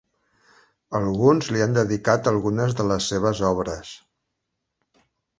Alguns li han dedicat algunes de les seves obres.